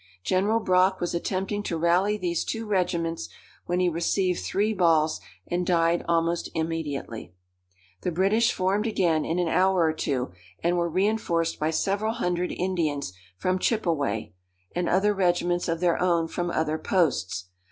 General Brock was attempting to rally these two regiments, when he received three balls, and died almost immediately. The British formed again in an hour or two, and were reinforced by several hundred Indians from Chippeway, and other regiments of their own from other posts.